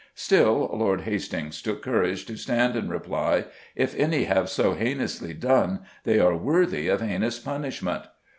Still, Lord Hastings took courage to stand and reply, "If any have so heinously done, they are worthy of heinous punishment."